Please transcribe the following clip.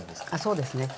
そうですね。